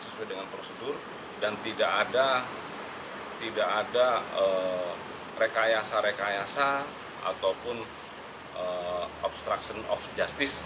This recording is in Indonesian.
sesuai dengan prosedur dan tidak ada rekayasa rekayasa ataupun obstruction of justice